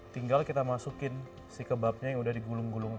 tinggal kita masukin si kebabnya yang udah digulung gulung